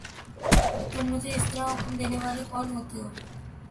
تم مجھے اس طرح حکم دینے والے کون ہوتے ہو؟